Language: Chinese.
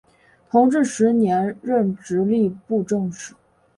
同治十年任直隶布政使。